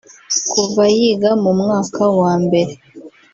Kuva yiga mu mwaka wa mbere